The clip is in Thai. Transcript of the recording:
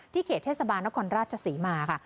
เขตเทศบาลนครราชศรีมาค่ะ